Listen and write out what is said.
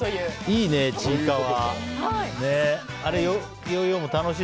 いいね、「ちいかわ」。